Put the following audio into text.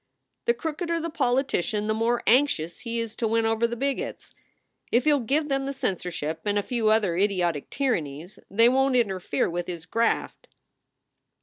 The crookeder the politician the more anxious he is to win over the bigots. If he ll give them the censor ship and a few other idiotic tyrannies they won t interfere with his graft."